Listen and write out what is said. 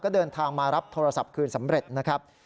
เดินทางมารับโทรศัพท์คืนสำเร็จนะครับ